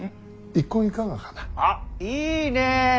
あっいいねえ。